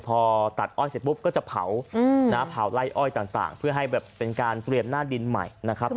พอตัดอ้อยเสร็จก็จะเผาไล่อ้อยต่างเพื่อให้เป็นการเปลี่ยนหน้าดินใหม่